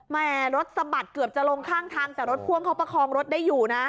แม่รถสะบัดเกือบจะลงข้างทางแต่รถพ่วงเขาประคองรถได้อยู่นะ